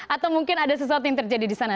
atau mungkin ada sesuatu yang terjadi di sana